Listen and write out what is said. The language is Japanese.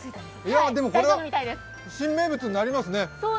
でも、これは新名物になりますね。